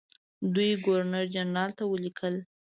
دوی ګورنرجنرال ته ولیکل.